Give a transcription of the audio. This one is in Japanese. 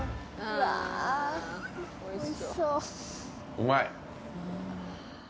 うまい。